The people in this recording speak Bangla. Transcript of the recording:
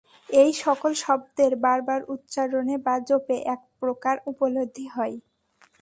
এই-সকল শব্দের বার বার উচ্চারণে বা জপে একপ্রকার উপলব্ধি হয়।